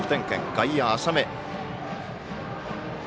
外野、浅め。